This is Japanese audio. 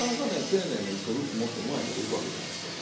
丁寧に１個ずつ盛ってもうまいこといくわけじゃないですから。